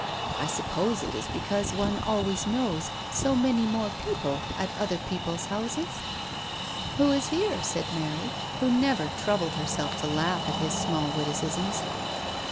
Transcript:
I suppose it is because one always knows so many more people* at other people's houses !"" Who's here ?" asked Mary, who never troubled herself to laugh at his small witti cisms.